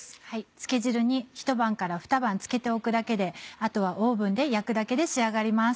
漬け汁にひと晩からふた晩漬けておくだけであとはオーブンで焼くだけで仕上がります。